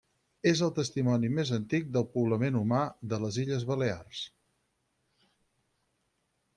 És el testimoni més antic del poblament humà de les Illes Balears.